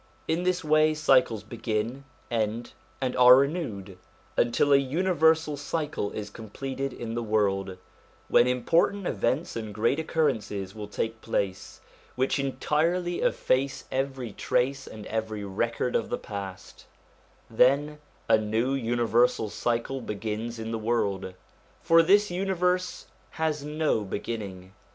In this way cycles begin, end, and are renewed, until a universal cycle is completed in the world, when important events and great occurrences will take place which entirely efface every trace and every record of the past; then a new universal cycle begins in the world, for this universe has no beginning.